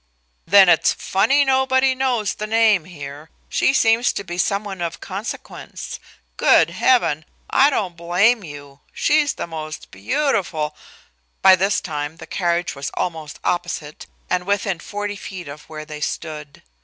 "Then it's funny nobody knows the name here. She seems to be someone of consequence. Good heaven, I don't blame you! She's the most beautiful " By this time the carriage was almost opposite and within forty feet of where they stood.